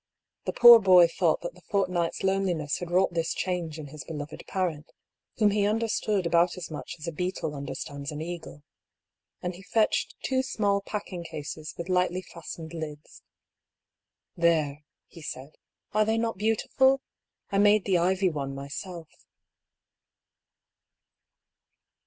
The poor boy thought that the fortnight's loneliness had wrought this change in his beloved parent, whom he understood about as much as a beetle under stands an eagle. And he fetched in two small packing cases with lightly fastened lids. " There," he said, " are they not beautiful ? I made the ivy one myself."